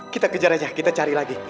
kita kejar aja kita cari lagi